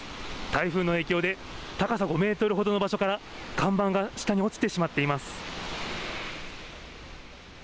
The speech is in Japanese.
台風の影響で高さ５メートルほどの場所から看板が下に落ちてしまっています。